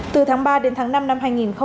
từ tháng ba đến tháng năm năm hai nghìn hai mươi